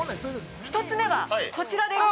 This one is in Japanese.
◆１つ目はこちらです。